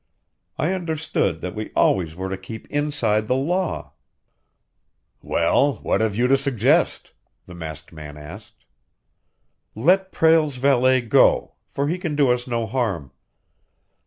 I understood that we always were to keep inside the law." "Well, what have you to suggest?" the masked man asked. "Let Prale's valet go, for he can do us no harm.